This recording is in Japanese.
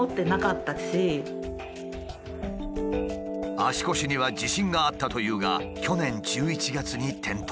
足腰には自信があったというが去年１１月に転倒。